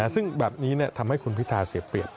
ซึ่งแบบนี้ทำให้คุณพิทาเสียเปรียบ